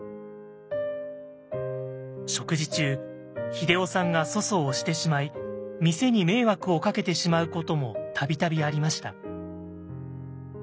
食事中英夫さんが粗相をしてしまい店に迷惑をかけてしまうことも度々ありました。